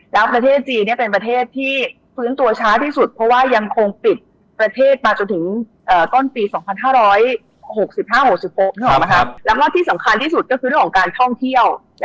แล้วประเทศจีนเป็นประเทศที่ฟื้นตัวช้าที่สุดเพราะว่ายังคงปิดประเทศมาจนถึงต้นปี๒๕๖๕๖๖นึกออกไหมครับแล้วก็ที่สำคัญที่สุดก็คือเรื่องของการท่องเที่ยว